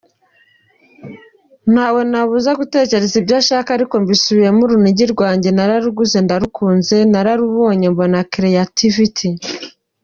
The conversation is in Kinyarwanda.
Ntawe nabuza gutekereza ibyo ashaka, ariko mbisubiremo, urunigi rwanjye naruguze ndukunze, nararubonye mbona creativity.